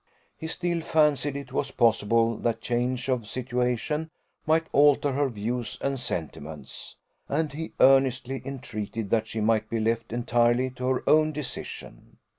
He still fancied it was possible that change of situation might alter her views and sentiments; and he earnestly entreated that she might be left entirely to her own decision.